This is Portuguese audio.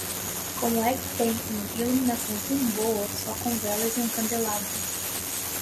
Como é que tem um iluminação tão boa só com velas e um candelabro?